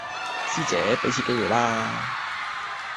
師姐,畀次機會啦